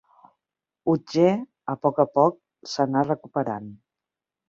Otger, a poc a poc, s'anà recuperant.